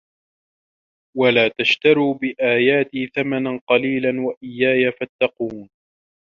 وَلَا تَشْتَرُوا بِآيَاتِي ثَمَنًا قَلِيلًا وَإِيَّايَ فَاتَّقُونِ